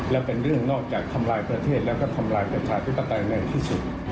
และเป็นเรื่องนอกจากทำลายประเทศแล้วก็ทำลายประชาธิปไตยแรงที่สุด